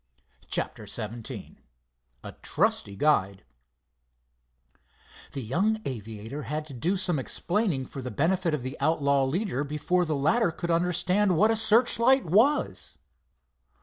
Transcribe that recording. CHAPTER XVII A TRUSTY GUIDE The young aviator had to do some explaining for the benefit of the outlaw leader before the latter could understand what a searchlight was.